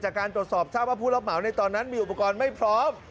จากการตรวจสอบทราบว่าผู้รับเหมาในตอนนั้นมีอุปกรณ์ไม่พร้อม